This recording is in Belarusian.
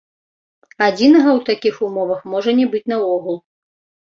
Адзінага ў такіх умовах можа не быць наогул.